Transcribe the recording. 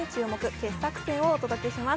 傑作選をお届けします。